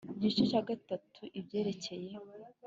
Igice cya gatatu Ibyerekeye